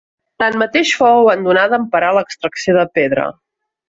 Tanmateix fou abandonada en parar l'extracció de pedra.